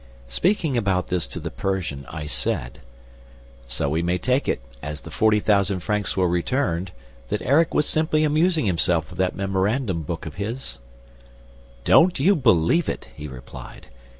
Speaking about this to the Persian, I said: "So we may take it, as the forty thousand francs were returned, that Erik was simply amusing himself with that memorandum book of his?" "Don't you believe it!" he replied.